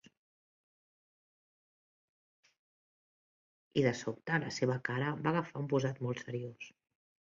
I de sobte la seva cara va agafar un posat molt seriós.